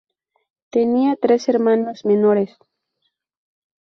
Tenía tres hermanos menores.